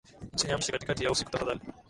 Usiniamshe katikati ya usiku tafadhali